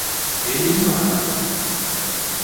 Eğleniyorlardı.